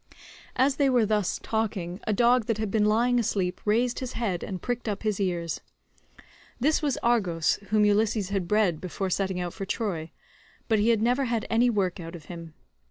As they were thus talking, a dog that had been lying asleep raised his head and pricked up his ears. This was Argos, whom Ulysses had bred before setting out for Troy, but he had never had any work out of him.